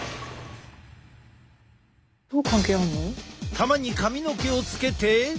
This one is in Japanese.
球に髪の毛をつけて。